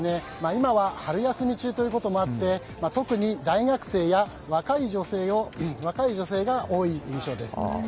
今は春休み中ということもあって特に大学生や若い女性が多い印象です。